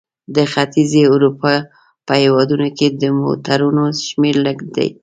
د ختیځې اروپا په هېوادونو کې د موټرونو شمیر لږ دی.